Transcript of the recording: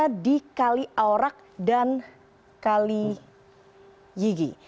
dekatnya di kali aorak dan kali yigi